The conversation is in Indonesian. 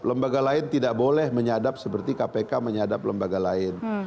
lembaga lain tidak boleh menyadap seperti kpk menyadap lembaga lain